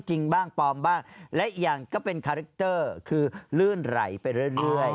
จริงบ้างปลอมบ้างและอีกอย่างก็เป็นคาแรคเตอร์คือลื่นไหลไปเรื่อย